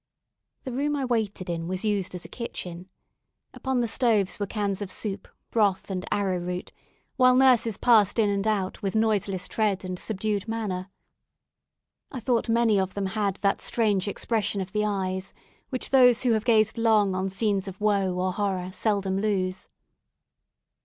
The room I waited in was used as a kitchen. Upon the stoves were cans of soup, broth, and arrow root, while nurses passed in and out with noiseless tread and subdued manner. I thought many of them had that strange expression of the eyes which those who have gazed long on scenes of woe or horror seldom lose.